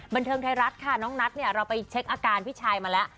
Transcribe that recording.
บันเทิงไทยรัฐค่ะน้องนัทเนี่ยเราไปเช็คอาการพี่ชายมาแล้ว